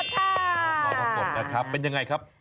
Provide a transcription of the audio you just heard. ชาวราศิกรกฎนะครับเป็นยังไงครับ